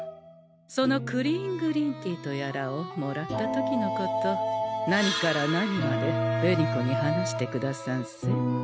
そのクリーングリーンティとやらをもらった時のこと何から何まで紅子に話してくださんせ。